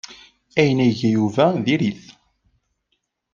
Ayen ay iga Yuba diri-t.